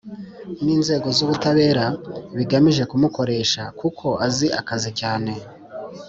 ninzego zubutabera bigamije kumukoresha kuko azi akazi cyane